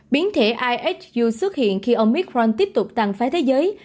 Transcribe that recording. biến thể ihu xuất hiện khi omicron tiếp tục tăng phái thế giới